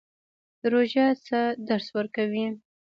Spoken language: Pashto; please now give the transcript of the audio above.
روژه څه درس ورکوي؟